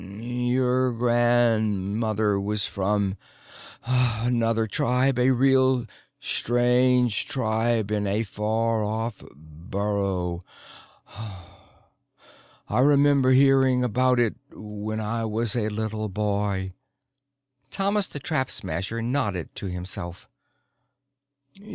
"Your grandmother was from another tribe, a real strange tribe in a faroff burrow. I remember hearing about it when I was a little boy." Thomas the Trap Smasher nodded to himself.